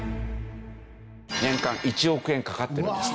年間１億円かかってるんですって。